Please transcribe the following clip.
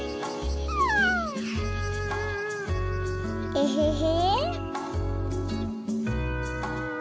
エヘヘ。